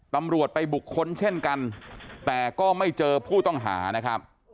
ตำรวจไปบุคคลเช่นกันแต่ก็ไม่เจอผู้ต้องหานะครับ